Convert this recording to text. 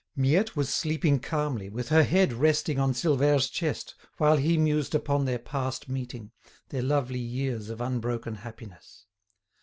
Miette was sleeping calmly, with her head resting on Silvère's chest while he mused upon their past meeting, their lovely years of unbroken happiness.